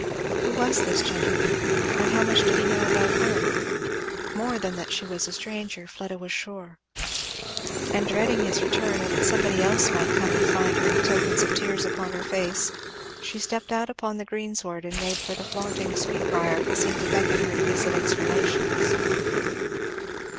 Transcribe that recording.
Who was this gentleman? and how much did he know about her? More than that she was a stranger, Fleda was sure; and dreading his return, or that somebody else might come and find her with tokens of tears upon her face, she stepped out upon the greensward and made for the flaunting sweet briar that seemed to beckon her to visit its relations.